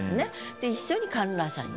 で一緒に観覧車に乗る。